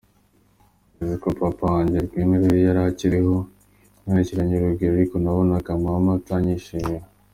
Ngeze yo Papa wanjye Rwemerakaje yari akiriho, yanyakiranye urugwiro ariko nabonaga Mama atanyishimiye.